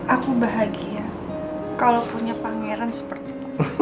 aku bahagia kalau punya pangeran seperti